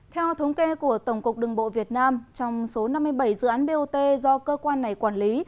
theo thống kê của tổng cục đường bộ việt nam trong số năm mươi bảy dự án bot do cơ quan này quản lý